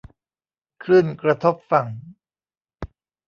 คลื่นกระทบฝั่ง